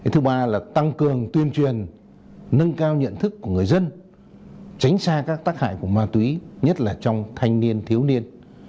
thứ ba là tăng cường tuyên truyền nâng cao nhận thức của người dân tránh xa các tác hại của ma túy nhất là trong thanh niên thiếu niên